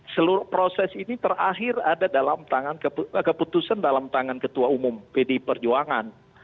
seluruh proses ini terakhir ada dalam tangan keputusan dalam tangan ketua umum pdi perjuangan